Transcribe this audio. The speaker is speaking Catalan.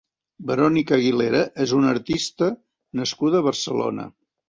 Verònica Aguilera és una artista nascuda a Barcelona.